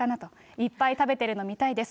いっぱい食べてるの見たいです。